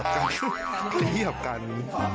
พอดีหลับกัน